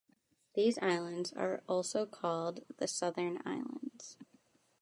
These islands are also called the "Southern Islands".